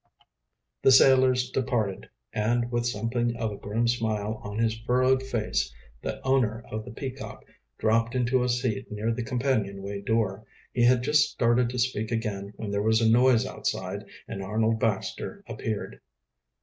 The sailors departed, and with something of a grim smile on his furrowed face the owner of the Peacock dropped into a seat near the companionway door. He had just started to speak again when there was a noise outside and Arnold Baxter appeared.